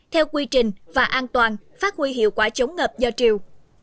theo quy trình và an toàn phát huy hiệu quả chống ngập do triều